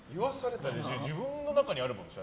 自分の中にあるんでしょ？